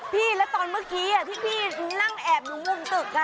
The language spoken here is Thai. พี่แล้วตอนเมื่อกี้ที่พี่นั่งแอบอยู่บนตึก